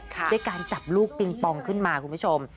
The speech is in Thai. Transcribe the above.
ด้วยการจับลูกปิงปองขึ้นมาคุณผู้ชม